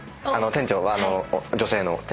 あの店長が女性の。